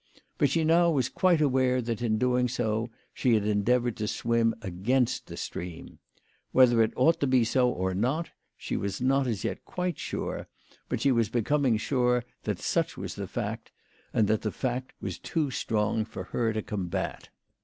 But she now was quite aware that in doing so she had endeavoured to swim against the stream. Whether it ought to be so or not, she was not as yet quite sure, but she was becoming sure that such was the fact, and that the fact was too strong for her to combat.